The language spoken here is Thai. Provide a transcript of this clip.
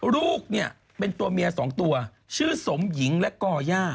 ลูกเนี่ยเป็นตัวเมีย๒ตัวชื่อสมหญิงและก่อย่า